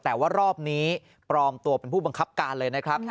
แต่ว่ารอบนี้ปลอมตัวเป็นผู้บังคับการเลยนะครับ